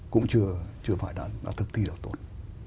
cũng chưa phải đã thực thi được tốt